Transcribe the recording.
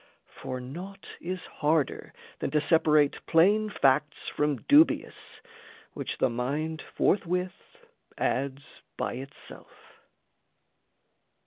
For naught is harder than to separate Plain facts from dubious, which the mind forthwith Adds by itself.